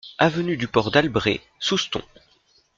Avenue du Port d'Albret, Soustons